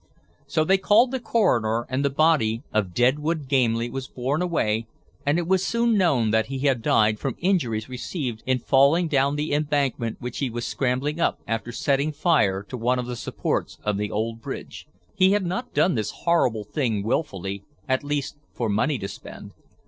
So they called the coroner and the body of Deadwood Gamely was borne away and it was soon known that he had died from injuries received in falling down the embankment which he was scrambling up after setting fire to one of the supports of the old bridge. He had not done this horrible thing willfully, at least not for money to spend.